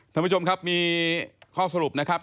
ท่านผู้ชมครับมีข้อสรุปนะครับ